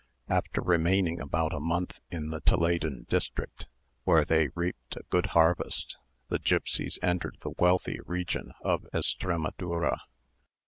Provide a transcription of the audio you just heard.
After remaining about a month in the Toledan district, where they reaped a good harvest, the gipsies entered the wealthy region of Estramadura.